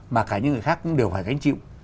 mà cả những người khác cũng đều phải gánh chịu